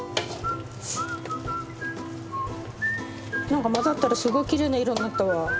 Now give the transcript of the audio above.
何か混ざったらすごいきれいな色になったわ。